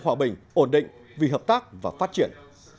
hòa bình ổn định vì hợp tác và phát triển